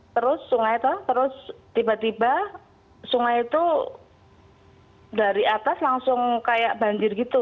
terus sungai terus tiba tiba sungai itu dari atas langsung kayak banjir gitu